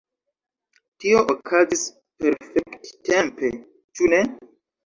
Tio okazis perfekt-tempe, ĉu ne?